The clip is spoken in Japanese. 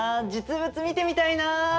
実物見てみたいな！